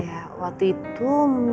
waktu itu mas pernah cerita sama saya